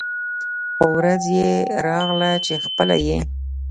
خو ورځ يې راغله چې خپله یې